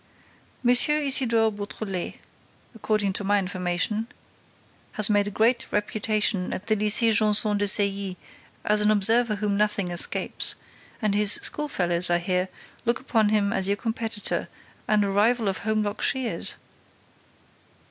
M. Isidore Beautrelet, according to my information, has made a great reputation at the Lycée Janson de Sailly as an observer whom nothing escapes; and his schoolfellows, I hear, look upon him as your competitor and a rival of Holmlock Shears!"